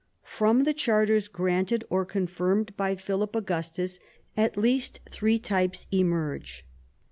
From the charters granted or confirmed by Philip Augustus at least three types emerge.